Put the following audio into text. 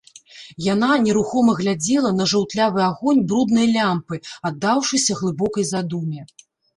Яна нерухома глядзела на жаўтлявы агонь бруднай лямпы, аддаўшыся глыбокай задуме.